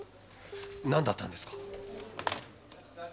何だったんですか？